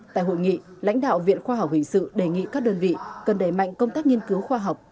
tại hội nghị lãnh đạo viện khoa học hình sự đề nghị các đơn vị cần đẩy mạnh công tác nghiên cứu khoa học